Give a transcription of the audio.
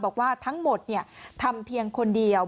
บอกว่าทั้งหมดทำเพียงคนเดียว